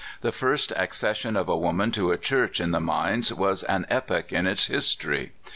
The first accession of a woman to a church in the mines was an epoch in its history.